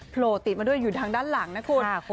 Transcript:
โผล่ติดมาด้วยอยู่ทางด้านหลังนะคุณ